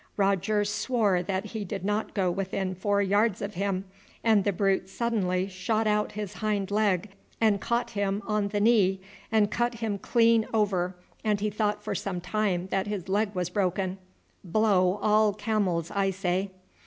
Rogers swore that he did not go within four yards of him, and the brute suddenly shot out his hind leg and caught him on the knee and cut him clean over, and he thought for some time that his leg was broken. Blow all camels, I say!"